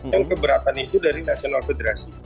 yang keberatan itu dari national federasi